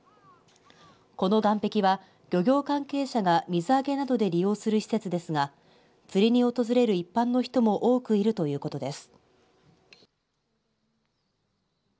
この岸壁は漁業関係者が水揚げなどで利用する施設ですが釣りに訪れる一般の人も多くいるということです。